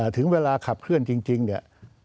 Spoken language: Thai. ถึงเวลาขับเคลื่อนจริงเนี่ย